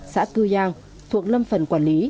xã cư giang thuộc lâm phần quản lý